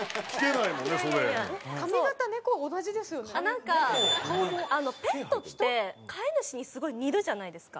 なんかペットって飼い主にすごい似るじゃないですか。